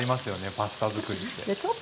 パスタ作りって。